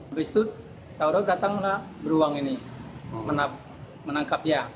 habis itu taurat datanglah beruang ini menangkapnya